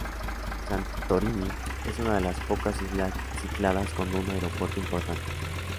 Santorini es una de las pocas Islas Cícladas con un aeropuerto importante.